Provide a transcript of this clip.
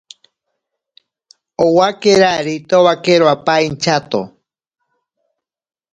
Owakera itowakero apa inchato.